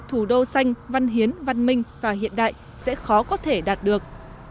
thủ đô xanh văn hiến văn minh và hiện đại sẽ khó có thể đạt được